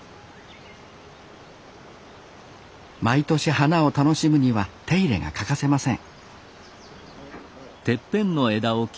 毎年花を楽しむには手入れが欠かせません